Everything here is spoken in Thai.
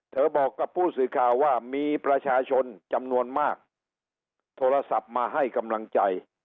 บอกกับผู้สื่อข่าวว่ามีประชาชนจำนวนมากโทรศัพท์มาให้กำลังใจ